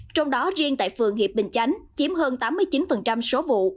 trong đó riêng tại phường hiệp bình chánh chiếm hơn tám mươi chín số vụ